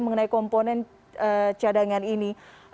mengenai komponen cadangan ini